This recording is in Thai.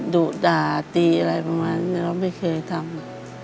ดุด่าตีอะไรประมาณนี้เราไม่เคยทำ